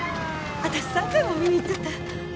私３回も見に行っちゃった。